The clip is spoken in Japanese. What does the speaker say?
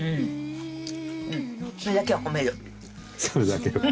「それだけ」